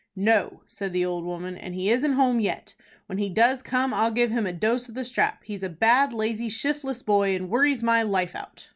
"No," said the old woman, "and he isn't home yet. When he does come I'll give him a dose of the strap. He's a bad, lazy, shiftless boy, and worries my life out."